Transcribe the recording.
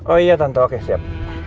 oh iya tentu oke siap